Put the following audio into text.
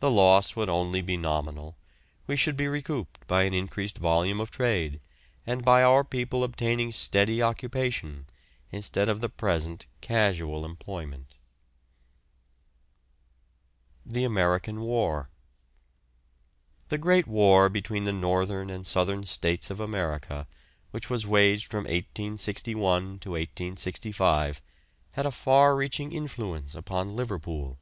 The loss would only be nominal; we should be recouped by an increased volume of trade, and by our people obtaining steady occupation instead of the present casual employment. THE AMERICAN WAR. The great war between the Northern and Southern States of America, which was waged from 1861 to 1865, had a far reaching influence upon Liverpool.